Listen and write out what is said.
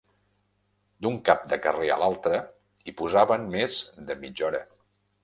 D'un cap de carrer a l'altre hi posaven més de mitja hora